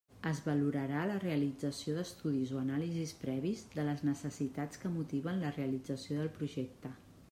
Es valorarà la realització d'estudis o anàlisis previs de les necessitats que motiven la realització del projecte.